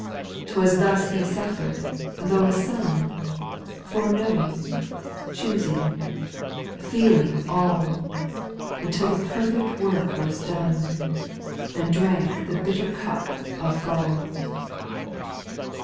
8. 'T was thus He suffered, though a Son, Foreknowing, choosing, feeling all. Until the perfect work was done, — And drank the bitter cup of galL 4.